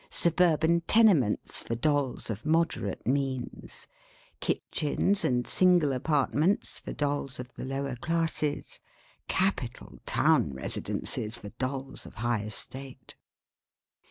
Suburban tenements for Dolls of moderate means; kitchens and single apartments for Dolls of the lower classes; capital town residences for Dolls of high estate.